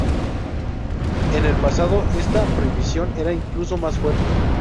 En el pasado, esta prohibición era incluso más fuerte.